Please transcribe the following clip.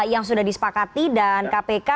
yang sudah disepakati dan kpk